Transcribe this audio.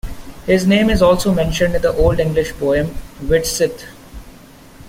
His name is also mentioned in the Old English poem "Widsith".